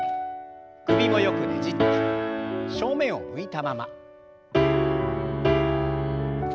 首もよくねじって正面を向いたまま。